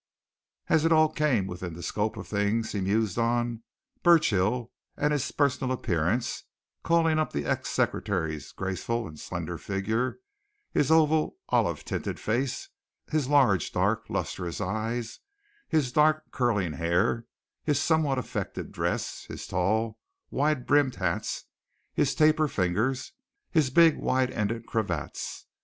As it all came within the scope of things he mused on Burchill and his personal appearance, calling up the ex secretary's graceful and slender figure, his oval, olive tinted face, his large, dark, lustrous eyes, his dark, curling hair, his somewhat affected dress, his tall, wide brimmed hats, his taper fingers, his big, wide ended cravats.